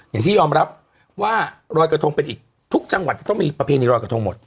อย่างที่ยอมเนียร์รับว่าทุกจังหวัดจะต้องมีประเภทที่ลอยกระทงหมด